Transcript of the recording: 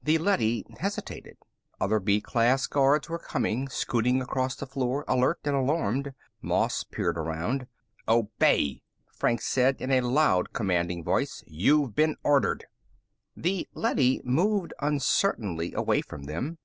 The leady hesitated. Other B class guards were coming, scooting across the floor, alert and alarmed. Moss peered around. "Obey!" Franks said in a loud, commanding voice. "You've been ordered!" The leady moved uncertainly away from them.